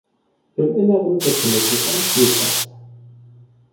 Im Inneren befindet sich ein Spielplatz.